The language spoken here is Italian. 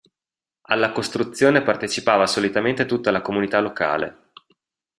Alla costruzione partecipava solitamente tutta la comunità locale.